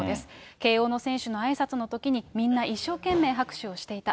慶応の選手のあいさつのときに、みんな一生懸命拍手をしていた。